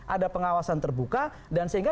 ada pengawasan terbuka dan sehingga